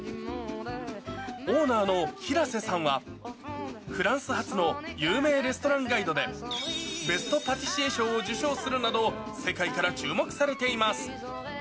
オーナーの平瀬さんは、フランス発の有名レストランガイドでベストパティシエ賞を受賞するなど、世界から注目されています。